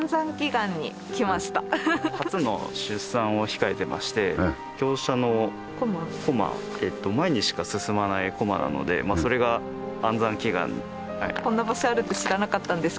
初の出産を控えてまして香車の駒前にしか進まない駒なのでそれが安産祈願。